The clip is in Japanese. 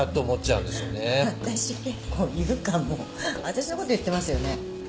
私のこと言ってますよね？